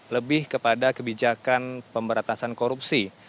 lebih kepada kebijakan pemberantasan korupsi